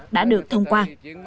đã được thông qua